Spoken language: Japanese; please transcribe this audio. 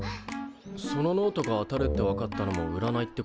そのノートが当たるってわかったのもうらないってこと？